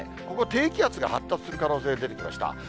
ここ、低気圧が発達する可能性が出てきました。